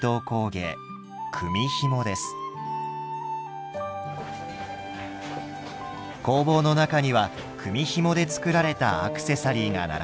工房の中には組みひもで作られたアクセサリーが並んでいました。